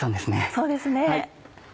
そうですね。